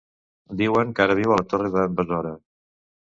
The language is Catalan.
Diuen que ara viu a la Torre d'en Besora.